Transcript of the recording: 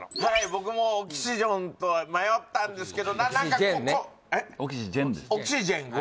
僕もオキシジョンと迷ったんですけどオキシジェンねオキシジェンです